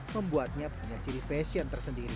membuatnya punya ciri fashion tersendiri